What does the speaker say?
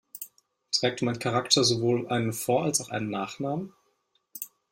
Trägt mein Charakter sowohl einen Vor- als auch einen Nachnamen?